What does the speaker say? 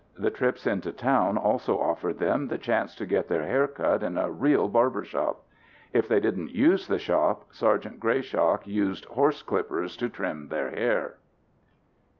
The trips into town also offered them the chance to get their hair cut in a real barbershop. If they didn't use the shop, Sgt. Greyshock used horse clippers to trim their hair.